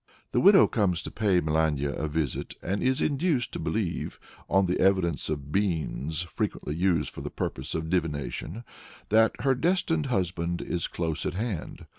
The widow comes to pay Melania a visit, and is induced to believe, on the evidence of beans (frequently used for the purpose of divination), that her destined husband is close at hand.